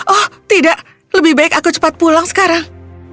oh tidak lebih baik aku cepat pulang sekarang